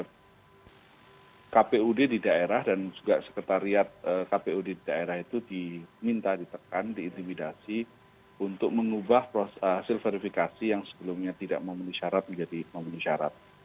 karena kpud di daerah dan juga sekretariat kpu di daerah itu diminta ditekan diintimidasi untuk mengubah hasil verifikasi yang sebelumnya tidak memenuhi syarat menjadi memenuhi syarat